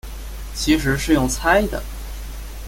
其实是用猜的